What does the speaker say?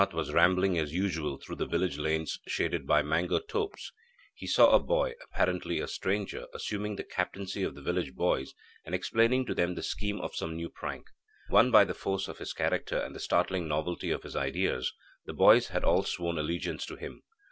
II One afternoon, when Jaganath was rambling as usual through the village lanes shaded by mango topes, he saw a boy, apparently a stranger, assuming the captaincy of the village boys and explaining to them the scheme of some new prank. Won by the force of his character and the startling novelty of his ideas, the boys had all sworn allegiance to him.